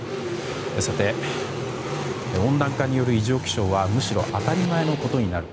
さて、温暖化による異常気象はむしろ、当たり前のことになる。